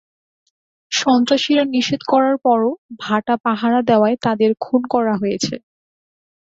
সন্ত্রাসীরা নিষেধ করার পরও ভাটা পাহারা দেওয়ায় তাঁদের খুন করা হয়েছে।